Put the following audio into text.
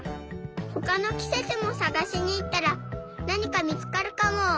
ほかのきせつもさがしにいったらなにかみつかるかも。